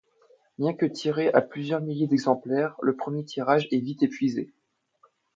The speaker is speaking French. Bien que tirée à plusieurs milliers d'exemplaires, le premier tirage est vite épuisé.